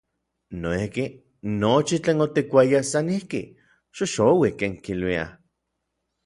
Noijki, nochi tlen otikkuayaj san ijki, “xoxouik”, ken kiluiaj.